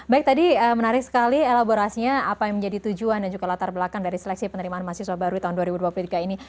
baik tadi menarik sekali elaborasinya apa yang menjadi tujuan dan juga latar belakang dari seleksi penerimaan mahasiswa baru di tahun dua ribu dua puluh tiga ini